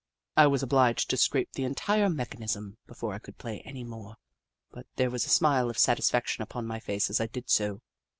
I was obHged to scrape the entire mechanism before I could play any more, but there was a smile of satisfaction upon my face as I did so.